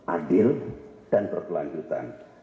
adil dan berkelanjutan